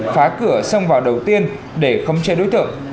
phá cửa xông vào đầu tiên để không che đối tượng